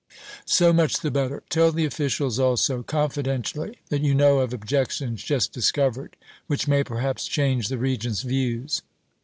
"So much the better. Tell the officials also, confidentially, that you know of objections just discovered which may perhaps change the Regent's views."